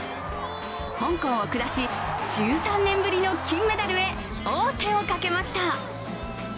香港を下し、１３年ぶりの金メダルに王手をかけました。